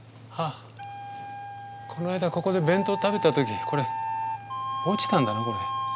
この間ここで弁当食べた時これ落ちたんだなこれ。